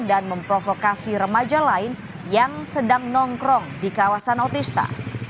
dan memprovokasi remaja lain yang sedang nongkrong di kawasan otista